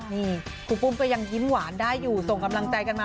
นี่ครูปุ้มก็ยังยิ้มหวานได้อยู่ส่งกำลังใจกันมา